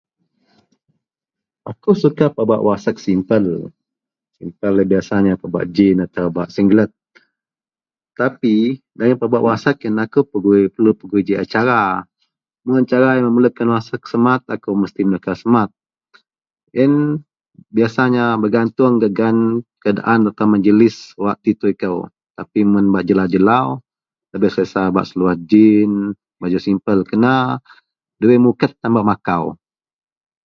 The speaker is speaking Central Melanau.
Akou suka pebak wak asek simpel, simpel biyasanya pebak jean atau pebak singelet tapi dagen pebak wak asek yen akou pegui, perelu pegui ji acara. Mun acara yen memelukan wak asek semat, akou mesti.. [unintelligible] semat. Yen biyasanya begatuong gak gaan keadaan atau mejelih wak titui kou tapi men bak jelau-jelau lebeh selesa pebak seluwah jean baju simpel kena ndabei muket tan bak makau